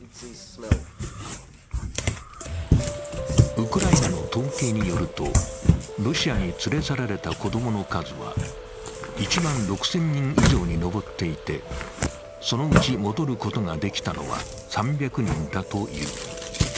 ウクライナの統計によると、ロシアに連れ去られた子供の数は１万６０００人以上に上っていてそのうち戻ることができたのは３００人だという。